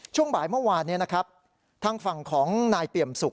ช่วงบ่ายเมื่อวานนี้นะครับทางฝั่งของนายเปี่ยมสุข